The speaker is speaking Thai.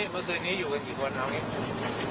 บันทึกนี้อยู่กันกี่คนเอาอย่างนี้